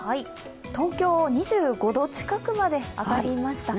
東京２５度近くまで上がりました。